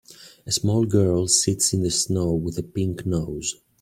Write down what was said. A small girl sits in the snow with a pink nose.